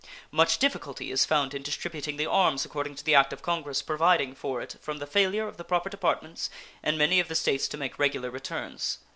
Much difficulty is found in distributing the arms according to the act of Congress providing for it from the failure of the proper departments in many of the States to make regular returns.